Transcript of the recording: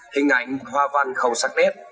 hình ảnh hoa văn không sắc nét